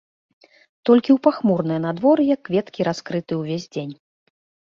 Толькі ў пахмурнае надвор'е кветкі раскрыты ўвесь дзень.